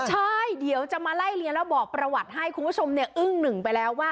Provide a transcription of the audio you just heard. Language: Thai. ใช่เดี๋ยวจะมาไล่เลี้ยแล้วบอกประวัติให้คุณผู้ชมเนี่ยอึ้งหนึ่งไปแล้วว่า